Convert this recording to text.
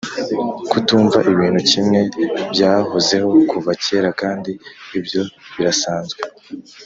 kutumva ibintu kimwe byahozeho kuva kera kandi ibyo birasanzwe